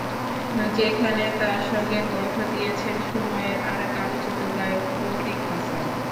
যেখানে তাঁর সঙ্গে কণ্ঠ দিয়েছেন সময়ের আরেক আলোচিত গায়ক প্রতীক হাসান।